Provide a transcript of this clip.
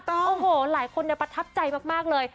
โอ้โหหลายคนประทับใจมากเลย